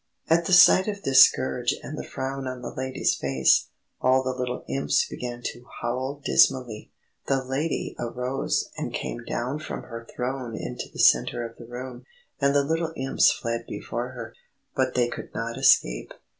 At the sight of this scourge and the frown on the Lady's face, all the little Imps began to howl dismally. The Lady arose, and came down from her throne into the centre of the room, and the little Imps fled before her. But they could not escape.